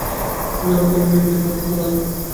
আমি লক্ষ্য করলাম মেয়েটি পানি খেল মাথা নিচু করে।